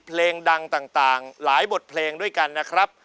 เพลงดังต่างหลายบทเพลงด้วยกันนะครับ